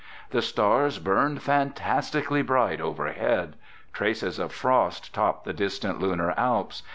The stars burned fantastically bright overhead. Traces of frost topped the distant Lunar Alps.